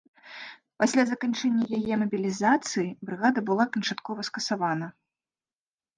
Пасля заканчэння яе мабілізацыі, брыгада была канчаткова скасавана.